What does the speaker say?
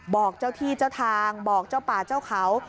บอกเจ้าที่เจ้าทางบอกเจ้าป่าเจ้าเขา